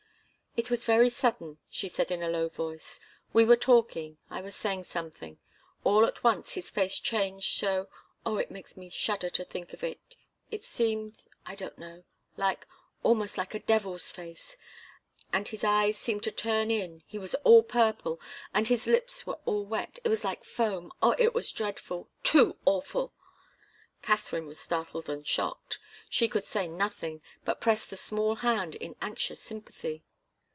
"It was very sudden," she said in a low voice. "We were talking I was saying something all at once his face changed so oh, it makes me shudder to think of it. It seemed I don't know like almost like a devil's face! And his eyes seemed to turn in he was all purple and his lips were all wet it was like foam oh, it was dreadful too awful!" Katharine was startled and shocked. She could say nothing, but pressed the small hand in anxious sympathy.